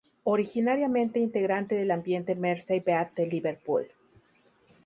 Originariamente integrante del ambiente Mersey-Beat de Liverpool.